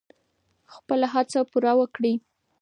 خپله هڅه پوره وکړئ.